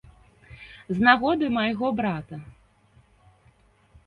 З нагоды майго брата.